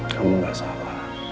kamu gak salah ya